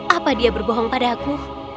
apa dia berbohong padaku